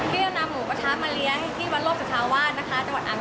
ที่เอานำหมูกระทับมาเลี้ยง